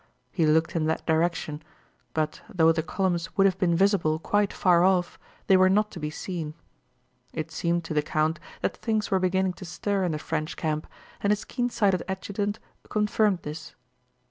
He looked in that direction, but though the columns would have been visible quite far off, they were not to be seen. It seemed to the count that things were beginning to stir in the French camp, and his keen sighted adjutant confirmed this.